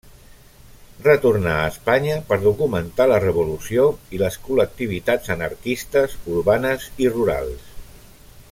Retornà a Espanya per documentar la revolució i les col·lectivitats anarquistes urbanes i rurals.